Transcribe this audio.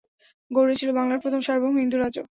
গৌড় ছিল বাংলার প্রথম সার্বভৌম হিন্দু রাজ্য।